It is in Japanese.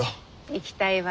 行きたいわ。